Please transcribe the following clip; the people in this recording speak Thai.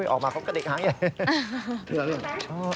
ออกมาเขาก็เด็กหางใหญ่